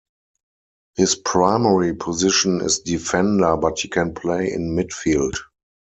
His primary position is defender but he can play in midfield.